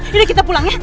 yaudah kita pulang ya